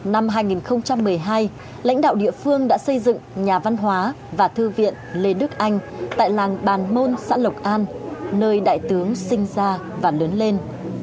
năm hai nghìn một mươi hai lãnh đạo địa phương đã xây dựng nhà văn hóa và thư viện lê đức anh tại làng bàn môn xã lộc an nơi đại tướng sinh ra và lớn lên